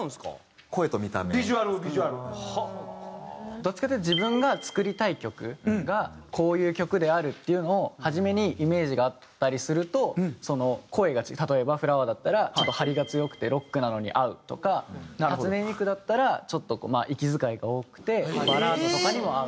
どっちかっていうと自分が作りたい曲がこういう曲であるっていうのを初めにイメージがあったりするとその声が例えばｆｌｏｗｅｒだったらちょっと張りが強くてロックなのに合うとか初音ミクだったらちょっとまあ息遣いが多くてバラードとかにも合う。